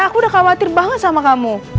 aku udah khawatir banget sama kamu